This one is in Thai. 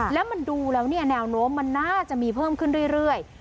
แล้วมันดูแล้วเนี่ยแนวโน้มมันน่าจะมีเพิ่มขึ้นเรื่อย